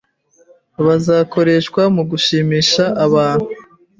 Bazakoreshwa mugushimisha abantu